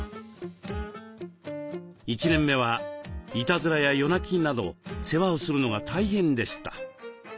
１年目はいたずらや夜なきなど世話をするのが大変でした。